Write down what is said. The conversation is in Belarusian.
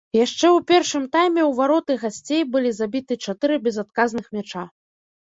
Яшчэ ў першым тайме ў вароты гасцей былі забіты чатыры безадказных мяча.